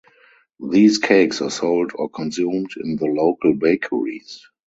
These cakes are sold or consumed in the local bakeries.